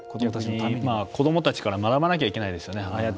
子どもたちから学ばないといけないですよね。